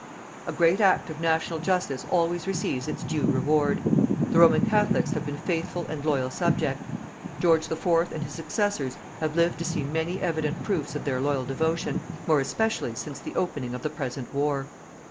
A great act of national justice always receives its due reward. The Roman Catholics have been faithful and loyal subjects. George IV and his successors have lived to see many evident proofs of their loyal devotion, more especially since the opening of the present war.